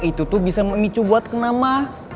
itu tuh bisa memicu buat kena ma